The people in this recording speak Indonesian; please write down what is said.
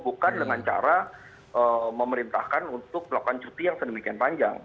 bukan dengan cara memerintahkan untuk melakukan cuti yang sedemikian panjang